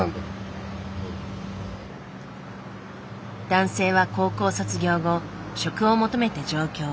男性は高校卒業後職を求めて上京。